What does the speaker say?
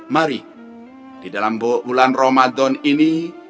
mari di dalam bulan ramadan ini